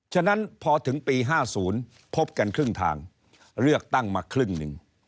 ฉะนั้นพอถึงปี๕๐พบกันครึ่งทางเลือกตั้งมาครึ่งหนึ่ง